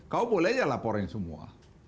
kau boleh aja laporin semua